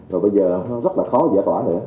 rồi bây giờ rất là khó giả tỏa nữa